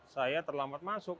saya terlambat masuk